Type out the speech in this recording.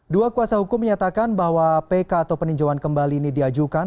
dua kuasa hukum menyatakan bahwa pk atau peninjauan kembali ini diajukan